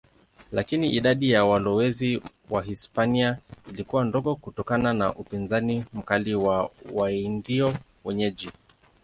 Lakini idadi ya walowezi Wahispania ilikuwa ndogo kutokana na upinzani mkali wa Waindio wenyeji.